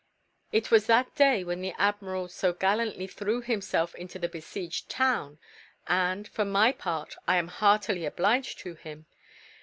It was that day when the admiral so gallantly threw himself into the besieged town. And, for my part, I am heartily obliged to him.